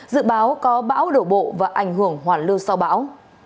dự báo có bão đổ bộ và ảnh hưởng hoàn lưu sau bão